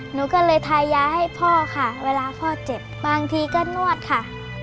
หนูก็เลยทายาให้พ่อค่ะเวลาพ่อเจ็บบางทีก็นวดค่ะ